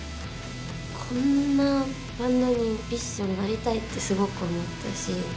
こんなバンドにＢｉＳＨもなりたいってすごく思ったし。